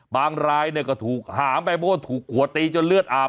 บางรายเนี่ยก็ถูกหาไปบอกว่าถูกหัวตีจนเลือดอาบ